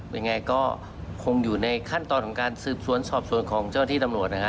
ยังไงก็คงอยู่ในขั้นตอนของการสืบสวนสอบสวนของเจ้าที่ตำรวจนะครับ